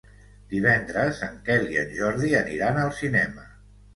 Divendres en Quel i en Jordi aniran al cinema.